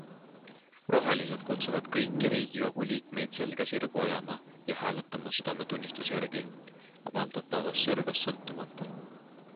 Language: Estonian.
Rohelised kutsuvad kõiki riigikogu liikmeid selga sirgu ajama ja hääletama südametunnistuse järgi - avaldatavast survest sõltumata.